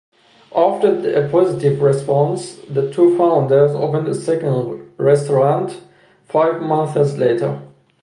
After a positive response, the two founders opened a second restaurant five months later.